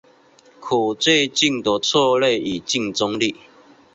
可借镜的策略与竞争力